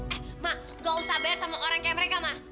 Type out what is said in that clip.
eh mak gak usah bayar sama orang kayak mereka mak